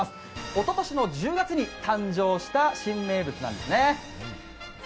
おととしの１０月に誕生した新名物なんですね。